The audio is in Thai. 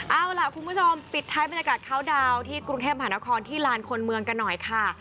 เอาล่ะคุณผู้ชมปิดท้ายบรรยากาศเข้าดาวน์ที่กรุงเทพหานครที่ลานคนเมืองกันหน่อยค่ะ